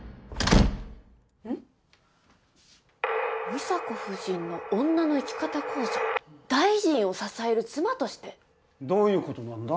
「美紗子夫人の女の生き方講座」「大臣を支える妻として」？どういう事なんだ？